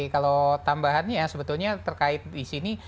oke kalau tambahannya ya sebetulnya terkait di sini